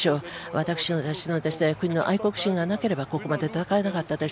私たちの愛国心がなければここまで戦えなかったです。